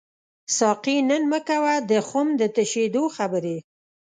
ساقي نن مه کوه د خُم د تشیدو خبري